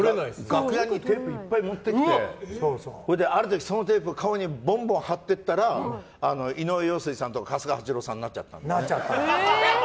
楽屋にテープいっぱい持ってきてある時、そのテープを顔にどんどん貼ってったら井上陽水さんと春日八郎さんになっちゃったんだよね。